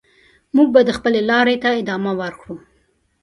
موږ به د خپلې لارې ته ادامه ورکړو.